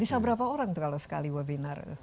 bisa berapa orang tuh kalau sekali webinar